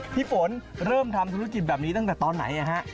พี่ฝนเริ่มทำธุรกิจแบบนี้ตั้งแต่ตอนไหน